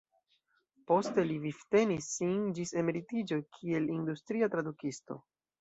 Poste li vivtenis sin ĝis emeritiĝo kiel industria tradukisto.